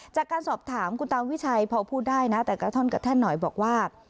จากการสอบถามคุณตาวิชัยพอพูดได้นะแต่กระท่อนกระแท่นหน่อยบอกว่า